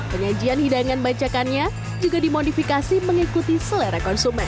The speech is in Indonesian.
penyajian hidangan bancakannya juga dimodifikasi mengikuti selera konsumen